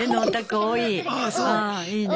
いいね。